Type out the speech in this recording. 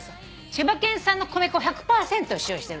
千葉県産の米粉を１００％使用してる。